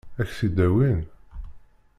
Ad k-t-id-awin?